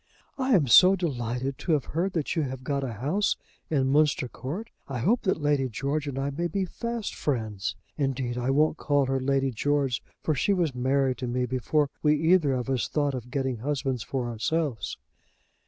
"I am so delighted to have heard that you have got a house in Munster Court. I hope that Lady George and I may be fast friends. Indeed, I won't call her Lady George; for she was Mary to me before we either of us thought of getting husbands for ourselves."